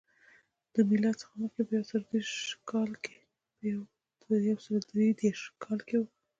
دا له میلاد څخه مخکې په یو سوه درې دېرش کال کې و